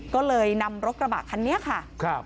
ก็เลยนำรถกระบะคันนี้ค่ะ